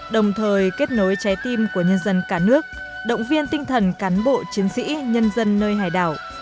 đồng thời kết nối trái tim của nhân dân cả nước động viên tinh thần cán bộ chiến sĩ nhân dân nơi hải đảo